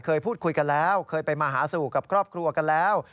เคยพูดคุยกันแล้วเคยไปมาหาสู่กับครอบครัวกันแล้ว